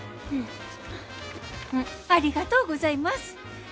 ありがとうございます。